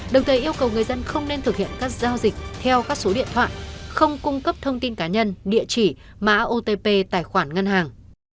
đồng thời yêu cầu người dân không nên thực hiện các giao dịch theo các số điện thoại không cung cấp thông tin cá nhân địa chỉ mã otp tài khoản ngân hàng